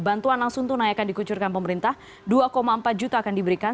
bantuan langsung tunai akan dikucurkan pemerintah dua empat juta akan diberikan